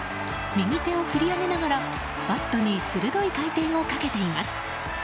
右手を振り上げながらバットに鋭い回転をかけています。